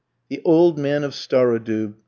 The old man of Starodoub!